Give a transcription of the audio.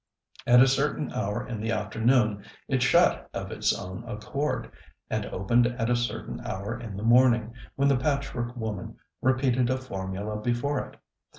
At a certain hour in the afternoon, it shut of its own accord, and opened at a certain hour in the morning, when the Patchwork Woman repeated a formula before it.